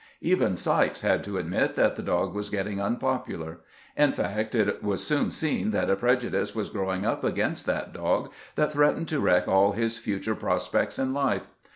Even Sykes had to admit that the dog was getting unpopular ; in fact, it was soon seen that a pre judice was growing up against that dog that threatened to wreck aU his future prospects in life.